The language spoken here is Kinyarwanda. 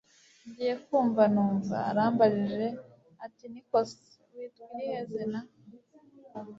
ngiye kumva numva arambajije ati niko se! witwa irihe izina!